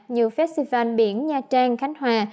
như festival biển nha trang khánh hòa